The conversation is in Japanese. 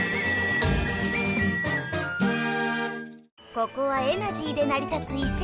ここはエナジーでなり立ついせかい。